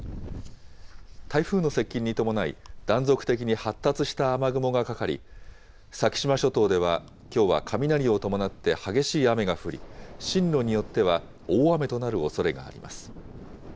台風の接近に伴い、断続的に発達した雨雲がかかり、先島諸島では、きょうは雷を伴って激しい雨が降り、進路によっては大雨となるおそれがあります。